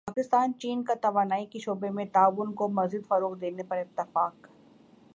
پاکستان چین کا توانائی کے شعبے میں تعاون کو مزید فروغ دینے پر اتفاق